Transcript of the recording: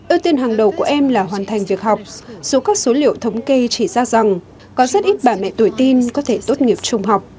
ưu tiên hàng đầu của em là hoàn thành việc học dù các số liệu thống kê chỉ ra rằng có rất ít bà mẹ tuổi tin có thể tốt nghiệp trung học